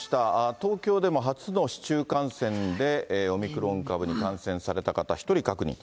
東京でも初の市中感染で、オミクロン株に感染された方、１人確認。